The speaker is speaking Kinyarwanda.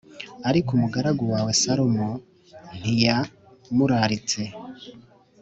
ariko umugaragu wawe Salomo ntiyamuraritse.